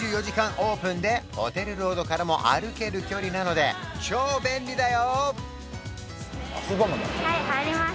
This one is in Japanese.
オープンでホテルロードからも歩ける距離なので超便利だよ！